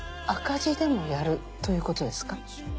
赤字でもやるということですか？